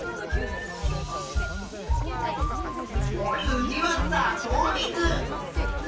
つぎはさとう水。